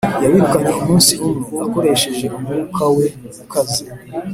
yabirukanye umunsi umwe, akoresheje umwuka we ukaze,